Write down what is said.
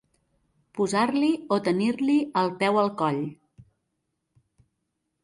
Posar-li o tenir-li el peu al coll.